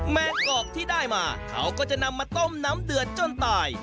แมงกอกที่ได้มาเขาก็จะนำมาต้มน้ำเดือดจนตาย